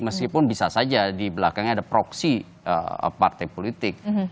meskipun bisa saja di belakangnya ada proksi partai politik